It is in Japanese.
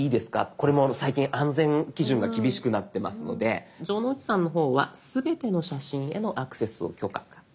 これも最近安全基準が厳しくなってますので城之内さんの方は「すべての写真へのアクセスを許可」。